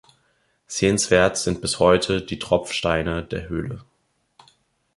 Sehenswert sind bis heute die Tropfsteine der Höhle.